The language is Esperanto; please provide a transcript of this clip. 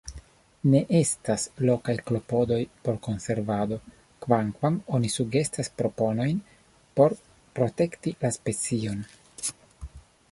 Ne estas lokaj klopodoj por konservado, kvankam oni sugestas proponojn por protekti la specion.